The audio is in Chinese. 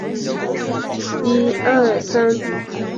克里普提指斯巴达奴隶主残杀希洛人的恐怖行动。